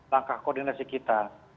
langkah koordinasi kita